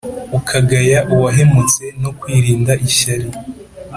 ukagaya uwahemutse, no kwirinda ishyari.